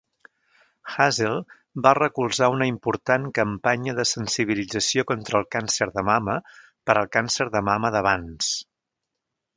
Hazell va recolzar una important campanya de sensibilització contra el càncer de mama per al càncer de mama d'avanç.